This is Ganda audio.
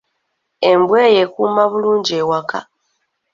Embwa eyo ekuuma bulungi ewaka.